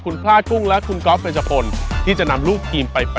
คุณพลาดกุ้งและคุณก๊อฟเดชพลที่จะนำลูกทีมไปเปิด